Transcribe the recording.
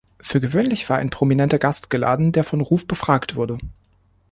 Für gewöhnlich war ein prominenter Gast geladen, der von Ruf befragt wurde.